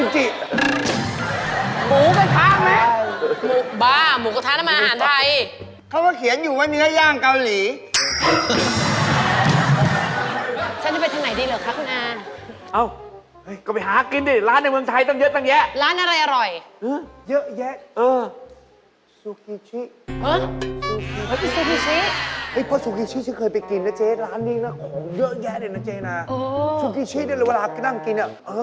แต่ทำไมเห็นญาติคนในบ้านร้องห่อมร้องไห้กันเต็มเลย